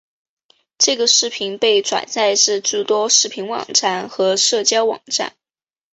这个视频被转载至诸多视频网站和社交网站。